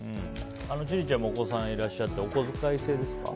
千里ちゃんもお子さんいらっしゃってお小遣い制ですか？